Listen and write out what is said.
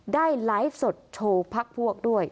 ได้ไลฟ์สดโชว์พักพวกด้วย